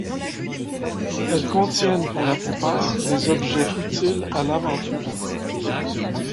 Elles contiennent pour la plupart des objets utiles à l'aventure.